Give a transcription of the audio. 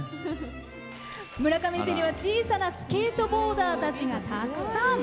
村上市には小さなスケートボーダーたちがたくさん！